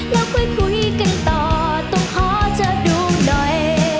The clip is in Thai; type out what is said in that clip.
แล้วค่อยคุยกันต่อต้องขอเธอดูหน่อย